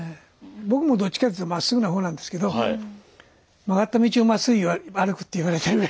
僕もどっちかっていうとまっすぐな方なんですけど曲がった道をまっすぐ歩くって言われてね。